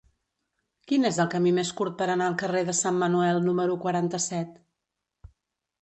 Quin és el camí més curt per anar al carrer de Sant Manuel número quaranta-set?